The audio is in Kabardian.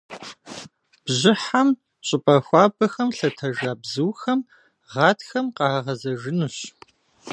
Бжьыхьэм щӏыпӏэ хуабэхэм лъэтэжа бзухэм гъатхэм къагъэзэжынущ.